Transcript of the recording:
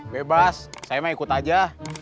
bebas saya mah ikut aja